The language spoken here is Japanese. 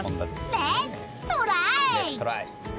レッツトライ！